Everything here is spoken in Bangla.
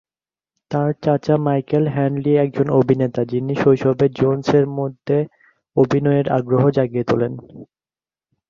তার চাচা মাইকেল হ্যাডলি একজন অভিনেতা, যিনি শৈশবে জোন্সের মধ্যে অভিনয়ের আগ্রহ জাগিয়ে তোলেন।